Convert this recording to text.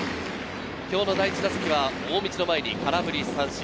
今日の第１打席は大道の前に空振り三振。